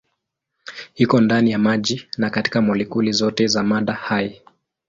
Iko ndani ya maji na katika molekuli zote za mada hai.